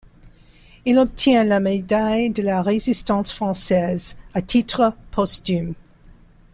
Il obtient la médaille de la Résistance française à titre posthume.